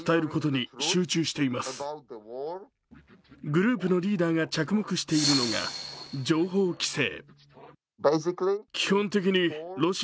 グループのリーダーが着目しているのが情報規制。